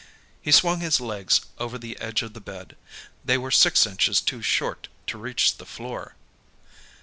He swung his legs over the edge of the bed. They were six inches too short to reach the floor.